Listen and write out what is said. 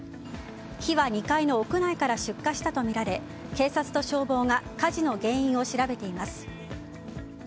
火は２階の屋内から出火したとみられ警察と消防が火事の原因を調べています。